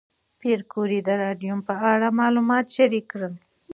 پېیر کوري د راډیوم په اړه معلومات شریک کړل.